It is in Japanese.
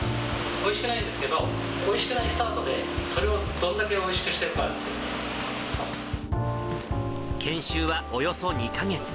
おいしくないですけど、おいしくないスタートで、それをどれだけおいしくしていくかです研修はおよそ２か月。